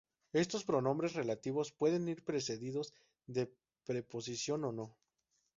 Estos pronombres relativos pueden ir precedidos de preposición o no.